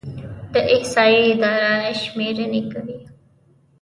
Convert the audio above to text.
د احصایې اداره شمیرنې کوي